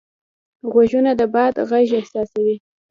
غوږونه د باد غږ احساسوي